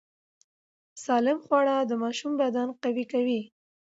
سالم خواړه د ماشوم بدن قوي کوي۔